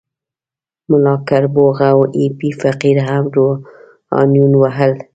ملا کربوغه او ایپی فقیر هم روحانیون ول.